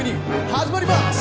始まります！